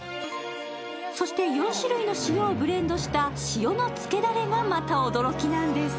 そして、４種類の塩をブレンドした塩のつけだれがまた驚きなんです。